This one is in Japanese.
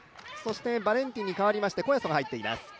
バレンティンに代わりましてコヤソが入っています。